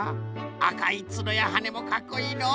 あかいつのやはねもかっこいいのう。